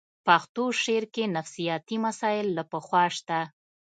پښتو شعر کې نفسیاتي مسایل له پخوا شته